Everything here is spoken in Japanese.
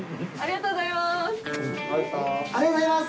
ありがとうございます。